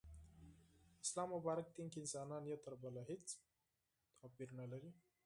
اسلام مبارک دين کي انسانان يو تر بله هيڅ فرق نلري